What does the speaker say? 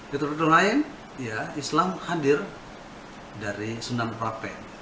literatur lain ya islam hadir dari sundan prape